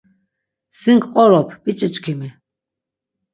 Sin ǩqorop biç̌içkimi.